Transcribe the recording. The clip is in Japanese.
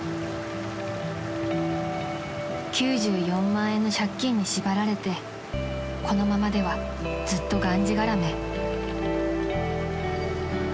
［９４万円の借金に縛られてこのままではずっとがんじがらめ］